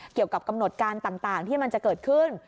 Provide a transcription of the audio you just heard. เกี่ยวกับกำหนดการต่างที่มันจะเกิดขึ้น